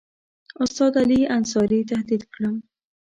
استاد علي انصاري تهدید کړم.